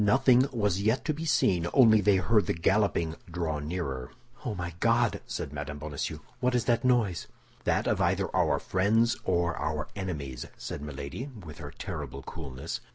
Nothing was yet to be seen, only they heard the galloping draw nearer. "Oh, my God!" said Mme. Bonacieux, "what is that noise?" "That of either our friends or our enemies," said Milady, with her terrible coolness.